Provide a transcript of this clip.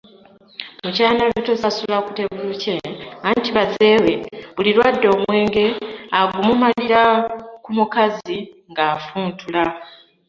Mukyala Nabitosi asula ku tebuukye anti baze we buli lw'adda omwenge agumalira ku mukazi ng'afuntula.